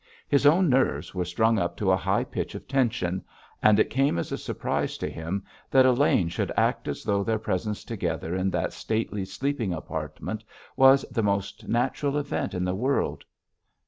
His own nerves were strung up to a high pitch of tension, and it came as a surprise to him that Elaine should act as though their presence together in that stately sleeping apartment was the most natural event in the world.